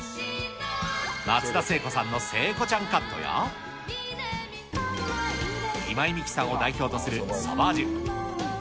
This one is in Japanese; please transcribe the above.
松田聖子さんの聖子ちゃんカットや、今井美樹さんを代表とするソバージュ。